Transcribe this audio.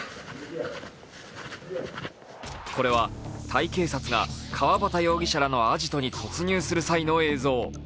これはタイ警察が川端容疑者らのアジトに突入する際の映像。